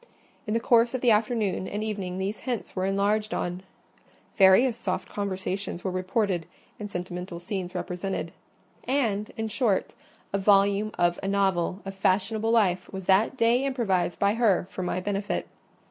In the course of the afternoon and evening these hints were enlarged on: various soft conversations were reported, and sentimental scenes represented; and, in short, a volume of a novel of fashionable life was that day improvised by her for my benefit.